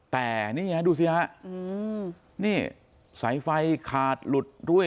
แต่นี่ฮะดูสิฮะนี่สายไฟขาดหลุดด้วย